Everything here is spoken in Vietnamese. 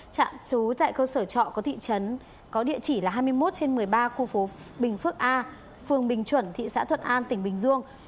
chạm trú tại cơ sở trọ có địa chỉ hai mươi một trên một mươi ba khu phố bình phước a phường bình chuẩn thị xã thuận an tỉnh bình dương